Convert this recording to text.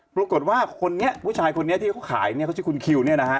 ปรากฏว่าคนนี้ผู้ชายคนนี้ที่เขาขายเนี่ยเขาชื่อคุณคิวเนี่ยนะฮะ